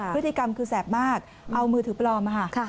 พฤติกรรมคือแสบมากเอามือถือปลอมค่ะ